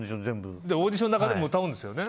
オーディションの中でも歌うんですよね？